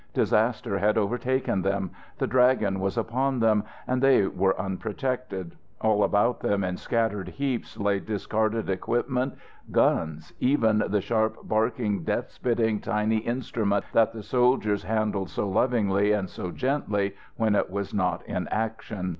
Disaster had overtaken them. The Dragon was upon them, and they were unprotected. All about them in scattered heaps lay discarded equipment, guns, even the sharp barking death spitting, tiny instrument that the soldiers handled so lovingly and so gently when it was not in action.